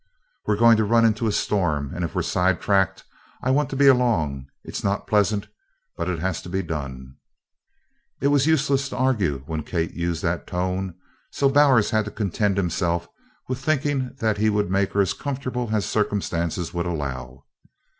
"We're going to run into a storm, and if we're sidetracked I want to be along. It's not pleasant, but it has to be done." It was useless to argue when Kate used that tone, so Bowers had to content himself with thinking that he would make her as comfortable as circumstances would allow.